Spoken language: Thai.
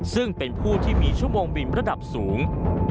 ซึ่งเป็นผู้ที่มีชั่วโมงบินระดับสูง